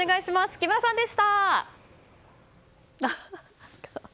木村さんでした。